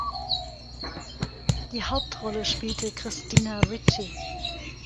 Die Hauptrolle spielt Christina Ricci.